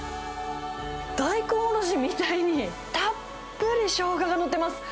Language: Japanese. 大根おろしみたいに、たっぷりショウガが載ってます。